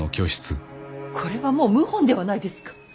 これはもう謀反ではないですか。